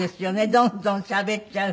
どんどんしゃべっちゃう。